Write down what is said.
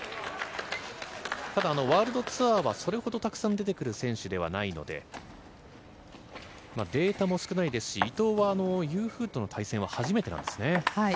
ただワールドツアーは、それほどたくさん出てくる選手ではないので、データも少ないですし、伊藤はユー・フーの対戦は初めてなんですよね。